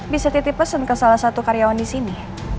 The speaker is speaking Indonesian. bisa titip pesen ke salah satu karyawan disini